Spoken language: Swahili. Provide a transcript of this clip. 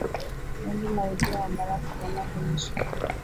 Vumbi la ujio wa Barack Obama limeshatua